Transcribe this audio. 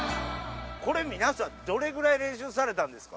これ、皆さん、どれくらい練習されたんですか？